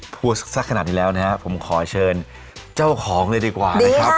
พูดสักขนาดนี้แล้วนะครับผมขอเชิญเจ้าของเลยดีกว่านะครับ